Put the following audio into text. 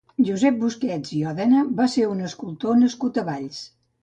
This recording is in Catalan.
Josep Busquets i Òdena va ser un escultor nascut a Valls.